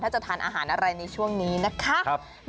ถ้าจะทานอาหารอะไรในช่วงนี้นะคะ